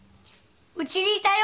うちに居たよ。